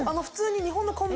普通に日本の。